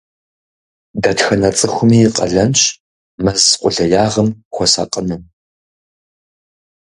Дэтхэнэ цӀыхуми и къалэнщ мэз къулеягъым хуэсакъыну.